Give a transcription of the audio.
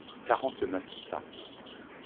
quarante neuf sacs.